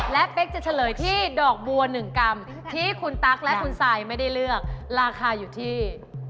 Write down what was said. และเป๊กจะเฉลยที่ดอกบัว๑กรัมที่คุณตั๊กและคุณซายไม่ได้เลือกราคาอยู่ที่